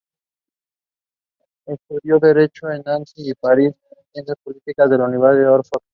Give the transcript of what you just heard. Estudió Derecho en Nancy y París, y Ciencias Políticas en la Universidad de Oxford.